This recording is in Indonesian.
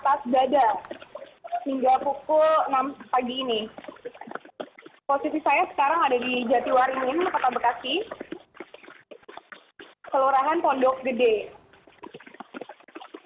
posisi saya sekarang ada di jatiwaringin kota bekasi seluruhan pondok gede